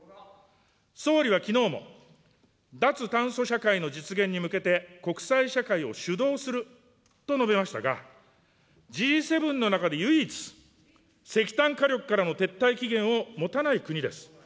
総理はきのうも脱炭素社会の実現に向けて、国際社会を主導すると述べましたが、Ｇ７の中で唯一、石炭火力からの撤退期限をもたない国です。